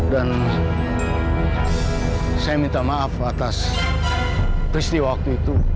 dan saya minta maaf atas peristiwa waktu itu